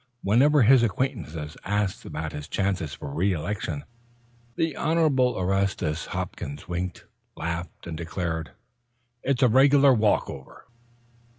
Whenever his acquaintances asked about his chances for re election, the Honorable Erastus Hopkins winked, laughed and declared, "it's a regular walk over."